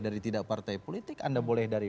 dari tidak partai politik anda boleh dari